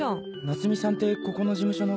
夏美さんってここの事務所の方ですか？